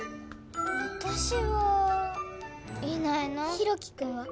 私はいないな大樹君は？